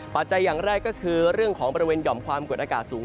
อย่างแรกก็คือเรื่องของบริเวณหย่อมความกดอากาศสูง